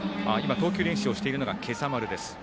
投球練習をしているのが今朝丸です。